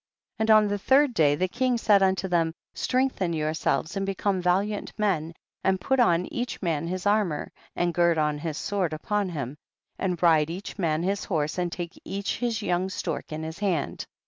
20. And on the third day, the king said unto them, strengthen yourselves and become valiant men, and put on each man his armour and gird on his sword upon him, and ride each man his horse and take each his young stork in his hand.